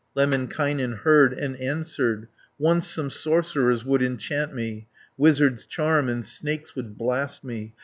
Lemminkainen heard and answered: "Once some sorcerers would enchant me, Wizards charm, and snakes would blast me.